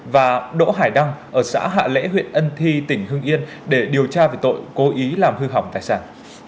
và đỗ hải đăng ở xã hạ lễ huyện ân thi tỉnh hưng yên để điều tra về tội cố ý làm hư hỏng tài sản